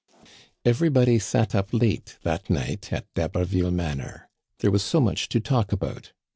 Everybody sat up late that night at D'Haberville Manor. There was so much to talk about.